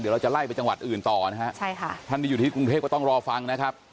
เดี๋ยวเราจะไล่ไปจังหวัดอื่นต่อนะฮะใช่ค่ะท่านที่อยู่ที่กรุงเทพก็ต้องรอฟังนะครับ